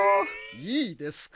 いいですか？